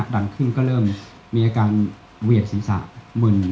ดันขึ้นก็เริ่มมีอาการเหวียดศีรษะมึน